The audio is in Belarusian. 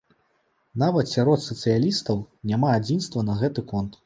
Нават сярод сацыялістаў няма адзінства на гэты конт.